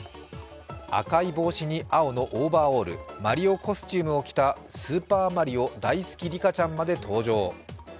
赤い帽子に青のオーバーオール、マリオコスチュームを着たスーパーマリオだいすきリカちゃんまで登場。